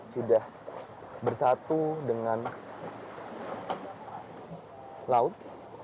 sudah bersatu dengan laut